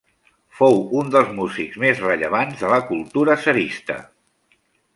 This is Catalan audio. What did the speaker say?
Fou un dels músics més rellevants de la cultura tsarista.